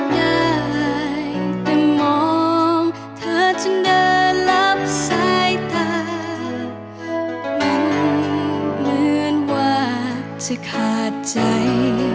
ได้แต่มองเธอจึงเดินรับสายตามันเหมือนว่าจะขาดใจ